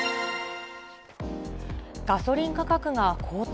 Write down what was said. ガソリン価格が高騰。